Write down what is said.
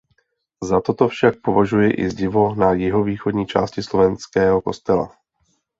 Za toto však považuje i zdivo na jihovýchodní části Slovenského kostela.